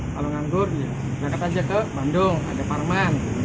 kalau nganggur berangkat aja ke bandung ada parman